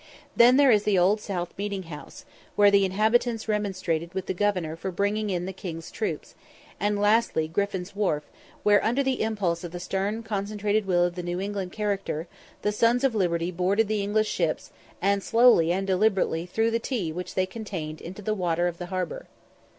Then there is the Old South Meeting house, where the inhabitants remonstrated with the governor for bringing in the king's troops; and, lastly, Griffin's Wharf, where, under the impulse of the stern concentrated will of the New England character, the "Sons of Liberty" boarded the English ships, and slowly and deliberately threw the tea which they contained into the water of the harbour.